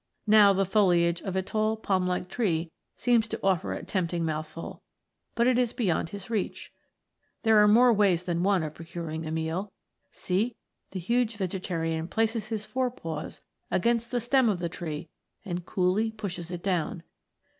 Now the foliage of a tall palm like tree seems to offer a tempting mouth ful, but it is beyond his reach : there are more ways than one of procuring a meal see, the huge vegetarian places his fore paws against the stem of the tree and coolly pushes it down.